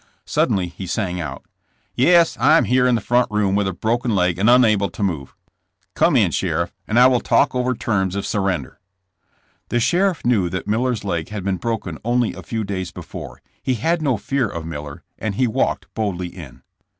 Sud denly he sang out : *'Yes, I am here in the front room with a broken leg and unable to move. Come in sheriff, and I will talk over terms of surrender." The sheriff knew that Miller's leg had been broken only a few days before. He had no fear of Miller, and he walked boldly in.